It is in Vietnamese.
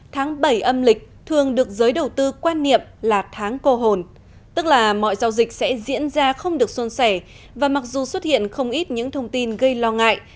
tháng bảy âm lịch thường được giới đầu tư quan niệm là tháng cô hồn tức là mọi giao dịch sẽ diễn ra không được xuân sẻ và mặc dù xuất hiện không ít những thông tin gây lo ngại